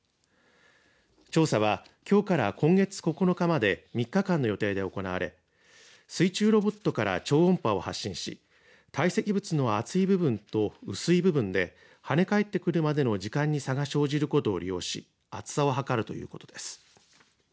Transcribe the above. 調査は、きょうから今月９日まで３日間の予定で行われ水中ロボットから超音波を発信し堆積物の厚い部分と薄い部分で跳ね返ってくるまでの時間に差が生じることを利用し厚さを測るということです。